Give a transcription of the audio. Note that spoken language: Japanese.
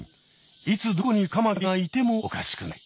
いつどこにカマキリがいてもおかしくない。